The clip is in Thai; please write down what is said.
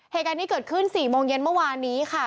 เหตุการณ์นี้เกิดขึ้น๔โมงเย็นเมื่อวานนี้ค่ะ